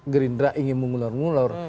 gerindra ingin mengulur ngulur